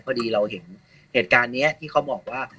พอดีเราเห็นเหตุการณ์นี้ที่เขาบอกว่า